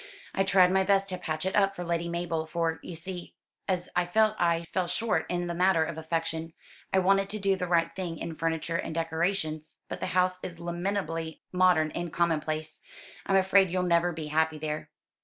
"I tried my best to patch it up for Lady Mabel; for, you see, as I felt I fell short in the matter of affection, I wanted to do the right thing in furniture and decorations. But the house is lamentably modern and commonplace. I'm afraid you'll never be happy there."